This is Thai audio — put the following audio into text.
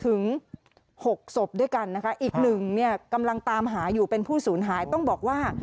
หกศพด้วยกันนะคะอีกหนึ่งเนี่ยกำลังตามหาอยู่เป็นผู้สูญหายต้องบอกว่า